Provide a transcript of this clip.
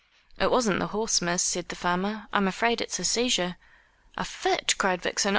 "It wasn't the horse, miss," said the farmer. "I'm afraid it's a seizure." "A fit!" cried Vixen.